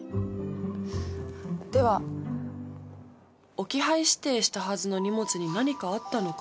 ［置き配指定したはずの荷物に何かあったのか？］